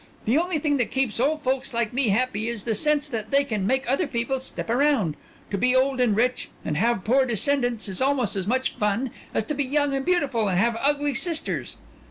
"The only thing that keeps old folks like me happy is the sense that they can make other people step around. To be old and rich and have poor descendants is almost as much fun as to be young and beautiful and have ugly sisters."